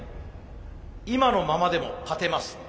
今のままでも勝てます。